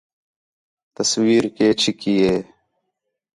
تصویر کَے چِھکّی ہے